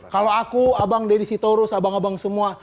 kalau aku abang deddy sitorus abang abang semua